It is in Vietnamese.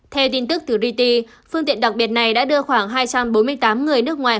theo tin tức từ reta phương tiện đặc biệt này đã đưa khoảng hai trăm bốn mươi tám người nước ngoài